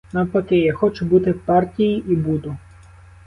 Навпаки, я хочу бути в партії і буду.